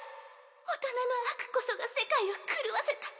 大人の悪こそが世界を狂わせた。